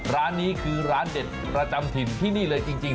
ร้านนี้คือร้านเด็ดประจำถิ่นที่นี่เลยจริง